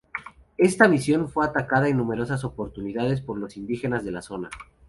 Esta misión fue atacada en numerosas oportunidades por los indígenas de la zona.